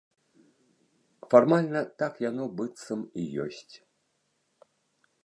Фармальна так яно, быццам, і ёсць.